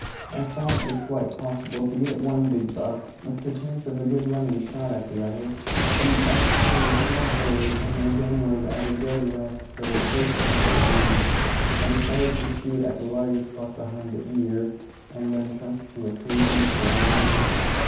I thought it quite possible to get one big buck, with the chance of a good running shot at the other; and as there was no hurry, and my gun was at a dead rest for the first shot at least, I decided to shoot at the largest buck behind the ear, and then trust to occasion for whatever should follow.